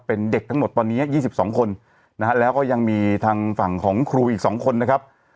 เป็นเด็กทั้งหมดตอนนี้๒๒คนนะฮะแล้วก็ยังมีทางฝั่งของครูอีก๒คนนะครับ